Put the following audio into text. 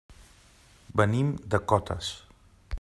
Venim de Cotes.